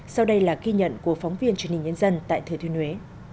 sau đây là ghi nhận của phóng viên truyền hình nhân dân tại thừa thuyên huế